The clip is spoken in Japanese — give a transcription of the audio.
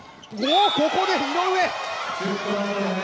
ここで井上！